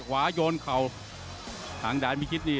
ปลายยกใครจะได้ใครทันได้ดี